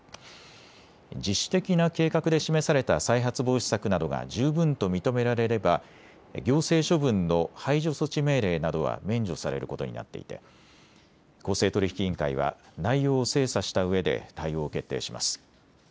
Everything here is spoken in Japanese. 自主的な計画で示された再発防止策などが十分と認められれば行政処分の排除措置命令などは免除されることになっていて公正取引委員会は内容を精査したうえで対応を決定します。